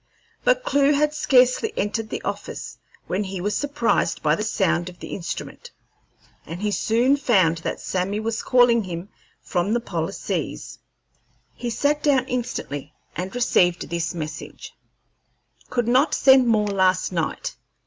But Clewe had scarcely entered the office when he was surprised by the sound of the instrument, and he soon found that Sammy was calling to him from the polar seas. He sat down instantly and received this message: "Could not send more last night.